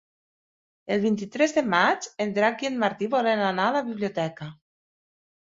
El vint-i-tres de maig en Drac i en Martí volen anar a la biblioteca.